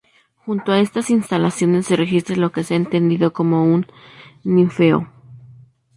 Junto a estas instalaciones se registra lo que se ha entendido como un ninfeo.